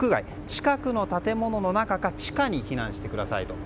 近くの建物の中か地下に避難してくださいと。